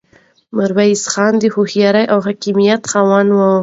میرویس خان د هوښیارۍ او حکمت خاوند و.